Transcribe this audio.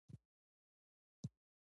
دوی د جګړې پر ضد پیغامونه وړاندې کول.